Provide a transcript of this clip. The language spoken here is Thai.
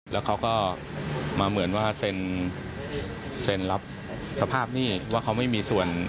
แล้วเขาก็มาเหมือนว่าเซ็นรับสภาพหนี้ว่าเขาไม่มีส่วน